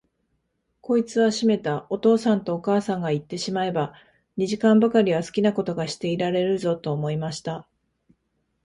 こいつはしめた、お父さんとお母さんがいってしまえば、二時間ばかりは好きなことがしていられるぞ、と思いました。